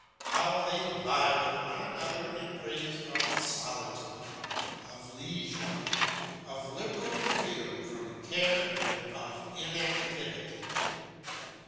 How they vie with one another in praise of solitude, of leisure, of liberal freedom from care and of inactivity!